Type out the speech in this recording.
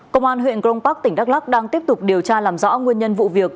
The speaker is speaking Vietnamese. công an huyện crong park tỉnh đắk lắc đang tiếp tục điều tra làm rõ nguyên nhân vụ việc